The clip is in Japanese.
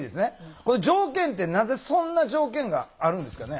この条件ってなぜそんな条件があるんですかね。